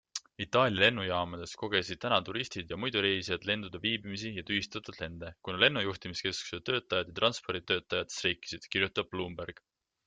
Itaalia lennujaamades kogesid täna turistid ja muidu reisijad lendude viibimisi ja tühistatud lende, kuna lennujuhtimiskeskuse töötajad ja transporditöötajad streikisid, kirjutab Bloomberg.